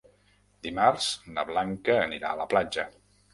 Dimarts na Blanca anirà a la platja.